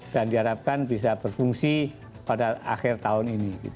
dan diharapkan bisa berfungsi pada akhir tahun ini